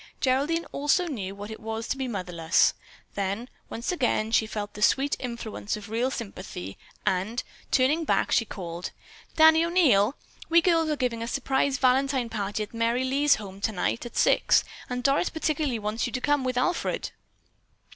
Geraldine also knew what it was to be motherless. Then, once again, she felt the sweet influence of real sympathy, and, turning back, she called: "Danny O'Neil, we girls are giving a surprise Valentine party at Merry Lee's home tonight at six, and Doris particularly wants you to come with Alfred."